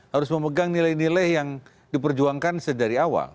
harus memegang nilai nilai yang diperjuangkan sedari awal